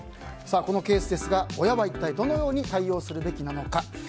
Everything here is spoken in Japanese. このケースですが親は一体どのように対応すべきなのか。